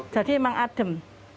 jadi memang adem